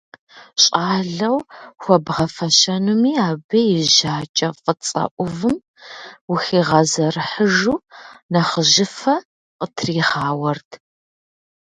ЩӀалэу хуэбгъэфэщэнуми, абы и жьакӀэ фӀыцӀэ Ӏувым, ухигъэзэрыхьыжу, нэхъыжьыфэ къытригъауэрт.